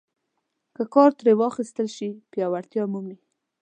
که کار ترې واخیستل شي پیاوړتیا مومي.